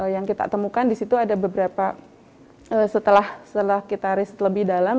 yang kita temukan di situ ada beberapa setelah kita riset lebih dalam